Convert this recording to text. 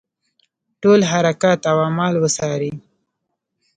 ټول حرکات او اعمال وڅاري.